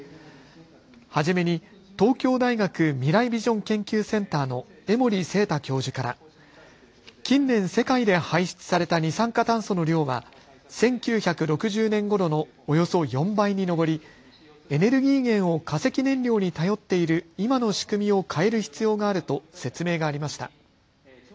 初めに東京大学未来ビジョン研究センターの江守正多教授から近年、世界で排出された二酸化炭素の量は１９６０年ごろのおよそ４倍に上りエネルギー源を化石燃料に頼っている今の仕組みを変える必要があると説明がありました。